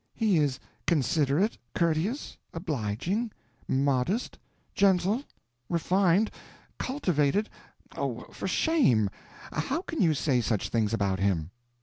He is considerate, courteous, obliging, modest, gentle, refined, cultivated—oh, for shame! how can you say such things about him?"